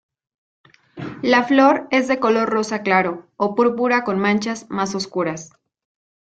La flor es de color rosa claro o púrpura con manchas más oscuras.